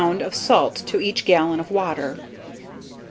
of salt to each gallon of water.